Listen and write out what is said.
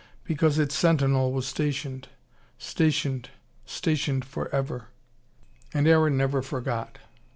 Because its sentinel was stationed. Stationed, stationed for ever. And Aaron never forgot.